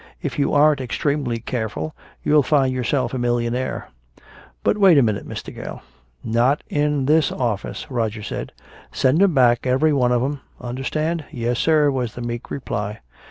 "If you aren't extremely careful you'll find yourself a millionaire." "But wait a minute, Mr. Gale " "Not in this office," Roger said. "Send 'em back, every one of 'em! Understand?" "Yes, sir," was the meek reply.